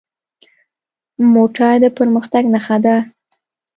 موټر د پرمختګ نښه ده.